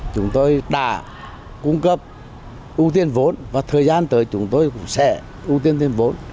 chúng tôi đã cung cấp ưu tiên vốn và thời gian tới chúng tôi cũng sẽ ưu tiên thêm vốn